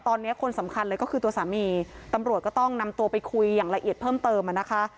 ตอนนี้คนสำคัญเลยก็คือตัวสามีตำรวจก็ต้องนำตัวไปคุยอย่างละเอียดเพิ่มเติมอ่ะนะคะ